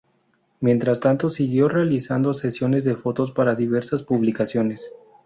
Mientras tanto siguió realizando sesiones de fotos para diversas publicaciones.